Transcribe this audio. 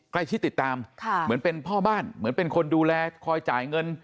ติดตามค่ะเหมือนเป็นพ่อบ้านเหมือนเป็นคนดูแลคอยจ่ายเงิน